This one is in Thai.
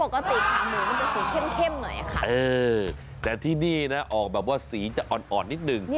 ขาหมูมันจะสีเข้มหน่อยค่ะแต่ที่นี่นะออกแบบว่าสีจะอ่อนนิดนึง